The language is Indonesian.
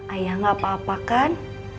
ayah gak apa apa kan